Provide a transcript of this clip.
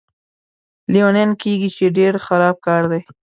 لیونیان کېږي، چې ډېر خراب کار دی.